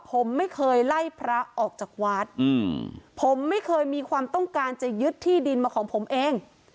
ผมไม่เคยไล่พระออกจากวัดอืมผมไม่เคยมีความต้องการจะยึดที่ดินมาของผมเอง